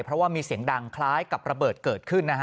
เพราะว่ามีเสียงดังคล้ายกับระเบิดเกิดขึ้นนะฮะ